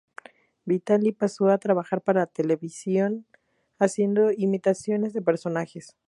Vitali pasó a trabajar para televisión, haciendo imitaciones de personajes.